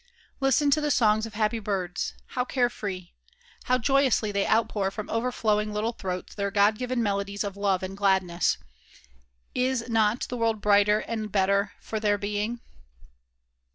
Listen to the songs of happy birds. How care free! How joyously they outpour from over flowing little throats their God given melodies of love and gladness! Is not the world brighter and better for their being?